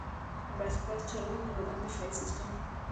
بایسکل چلول د بدن دفاعي سیستم قوي کوي.